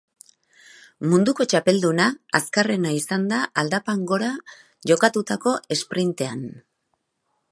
Munduko txapelduna azkarrena izan da aldapan gora jokatutako esprintean.